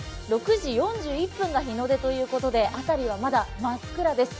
６時４１分が日の出ということで辺りはまだ真っ暗です。